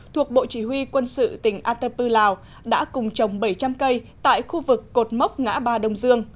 thuộc bộ chỉ huy quân sự tỉnh atapu lào đã cùng trồng bảy trăm linh cây tại khu vực cột mốc ngã ba đông dương